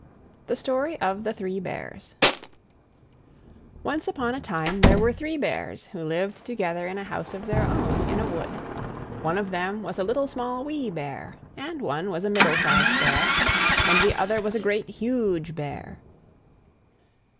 THE STORY OF THE THREE BEARS Once upon a time there were Three Bears, who lived together in a house of their own, in a wood. One of them was a Little, Small, Wee Bear; and one was a Middle sized Bear, and the other was a Great, Huge Bear.